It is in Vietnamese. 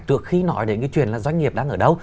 trước khi nói đến cái chuyện là doanh nghiệp đang ở đâu